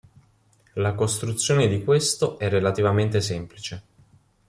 La costruzione di questo è relativamente semplice.